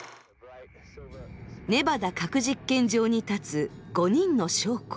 ネバダ核実験場に立つ５人の将校。